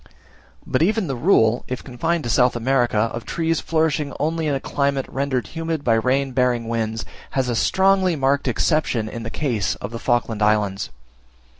But even the rule, if confined to South America, of trees flourishing only in a climate rendered humid by rain bearing winds, has a strongly marked exception in the case of the Falkland Islands.